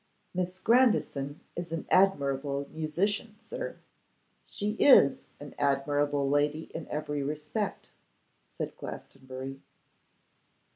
'Miss Grandison is an admirable musician, sir.' 'She is an admirable lady in every respect,' said Glastonbury.